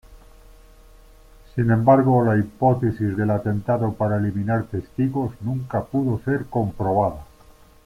Sin embargo, la hipótesis del atentado para eliminar testigos nunca pudo ser comprobada.